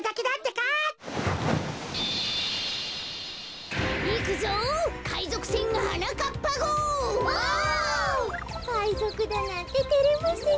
かいぞくだなんててれますねえ。